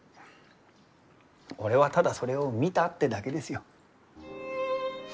俺はただそれを見たってだけですよ。